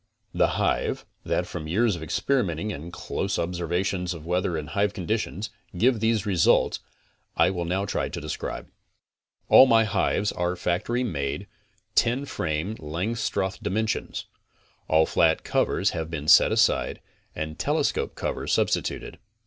The hive, that from years of experimenting and close ob servations of weather and hive conditions, gives these results, 1 CONSTRUCTIVE BEEKEEPING 33 I will now try to describe. All my hives are factory made, ten frame Langstroth dimensions. All flat covers have been set aside and telescope covers substituted.